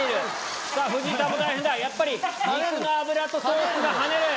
やっぱり肉の脂とソースが跳ねる。